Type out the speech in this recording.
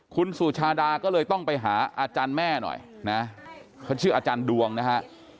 คุณสุชาดาก็เลยต้องไปหาอาจารย์แม่หน่อยนะเขาชื่ออาจารย์ดวงนะฮะ